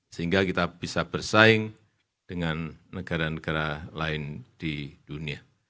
sehingga kita bisa bersaing dengan negara negara lain di dunia